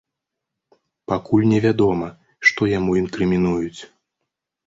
Пакуль невядома, што яму інкрымінуюць.